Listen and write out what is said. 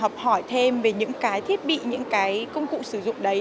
học hỏi thêm về những cái thiết bị những cái công cụ sử dụng đấy